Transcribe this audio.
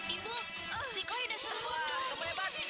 ibu si koi sudah sembunuh